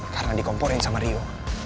karena dikomporin sama rio